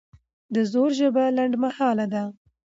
د زور ژبه لنډمهاله ده